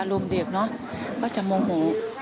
อารมณ์เด็กก็จะโมโห